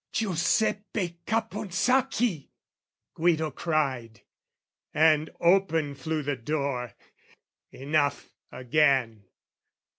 "Giuseppe Caponsacchi!" Guido cried; And open flew the door: enough again.